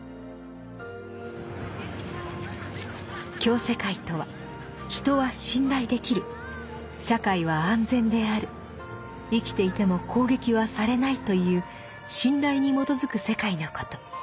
「共世界」とは人は信頼できる社会は安全である生きていても攻撃はされないという信頼に基づく世界のこと。